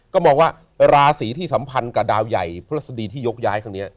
ก็มองว่าราศีที่สัมพันธ์กับดาวใหญ่พฤษฎีที่ยกย้ายครั้งนี้